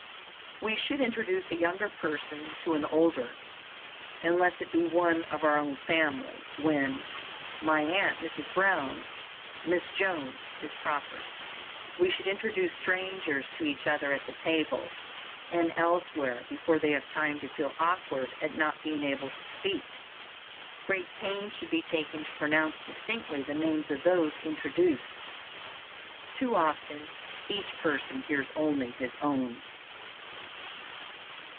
We should introduce a younger person to an older, unless it be one of our own family, when, "My aunt, Mrs. Brown, Miss Jones," is proper. We should introduce strangers to each other at the table and elsewhere before they have time to feel awkward at not being able to speak. Great pains should be taken to pronounce distinctly the names of those introduced. Too often each person hears only his own.